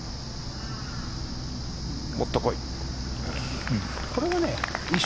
もっと来い。